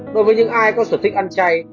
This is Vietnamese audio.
đối với những ai có sở thích ăn chay